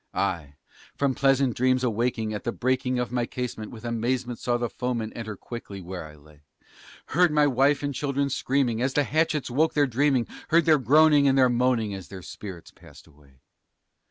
I, from pleasant dreams awaking at the breaking of my casement, With amazement saw the foemen enter quickly where I lay; Heard my wife and children's screaming, as the hatchets woke their dreaming, Heard their groaning and their moaning as their spirits passed away.